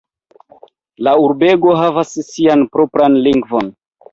La urbego havas sian propran lingvon.